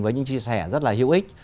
với những chia sẻ rất là hữu ích